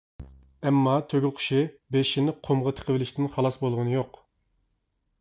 ئەمما «تۆگە قۇشى» بېشىنى قۇمغا تىقىۋېلىشتىن خالاس بولغىنى يوق!